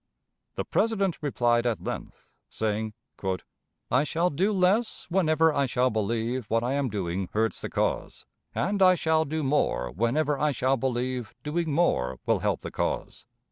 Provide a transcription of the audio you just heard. The President replied at length, saying: "I shall do less whenever I shall believe what I am doing hurts the cause, and I shall do more whenever I shall believe doing more will help the cause.